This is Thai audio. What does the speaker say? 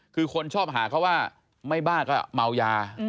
คือคนชอบหาเขาว่าไม่บ้าก็เมายา